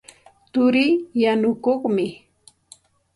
Turii yanukuqmi.